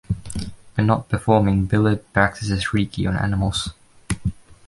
When not performing, Billard practices reiki on animals.